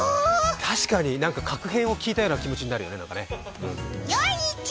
確かに、確変を聞いた気持ちになるよね。